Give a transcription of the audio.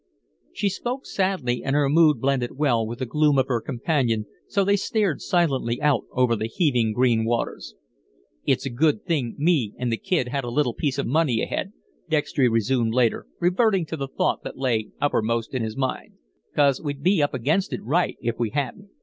She spoke sadly and her mood blended well with the gloom of her companion, so they stared silently out over the heaving green waters. "It's a good thing me an' the kid had a little piece of money ahead," Dextry resumed later, reverting to the thought that lay uppermost in his mind, "'cause we'd be up against it right if we hadn't.